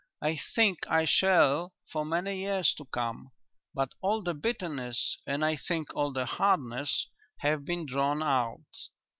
I think I shall for many years to come, but all the bitterness and I think all the hardness have been drawn out.